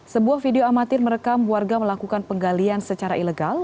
sebuah video amatir merekam warga melakukan penggalian secara ilegal